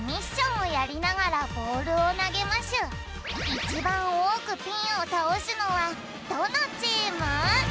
いちばんおおくピンをたおすのはどのチーム？